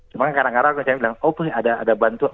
cuma kadang kadang saya bilang oh punya ada bantuan